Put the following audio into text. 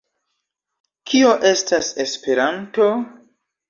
Kio estas Esperanto?